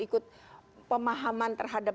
ikut pemahaman terhadap